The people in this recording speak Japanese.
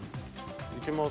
いきます。